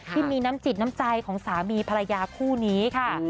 ที่มีน้ำจิตน้ำใจของสามีภรรยาคู่นี้ค่ะ